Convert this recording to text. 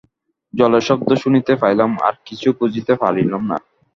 জলের শব্দ শুনিতে পাইলাম, আর কিছু বুঝিতে পারিলাম না।